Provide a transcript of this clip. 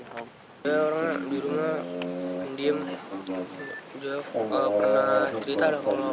saya orang di rumah pendiam nggak pernah cerita